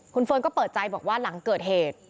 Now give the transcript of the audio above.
คุณเฟิร์นก็เปิดใจบอกว่าหลังเกิดเหตุ